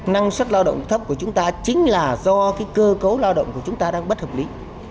năng suất lao động thấp của chúng ta chính là do cơ cấu lao động của chúng ta đang bất hợp lý